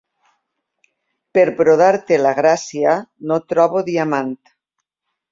Per brodar-te la gràcia, no trobo diamant.